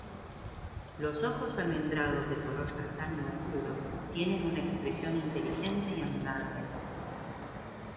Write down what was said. Los ojos almendrados de color castaño oscuro tienen una expresión inteligente y amigable.